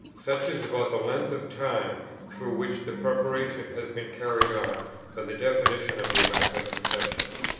Such is about the length of time through which the preparation has been carried on for the definition of the Immaculate Conception.